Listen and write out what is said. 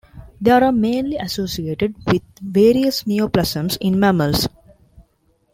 They are mainly associated with various neoplasms in mammals.